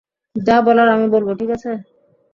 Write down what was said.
যা বলার আমি বলব, ঠিক আছে?